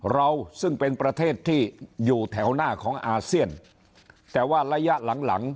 เราซึ่งเป็นประเทศที่อยู่แถวหน้าของอาเซียนแต่ว่าระยะหลังหลัง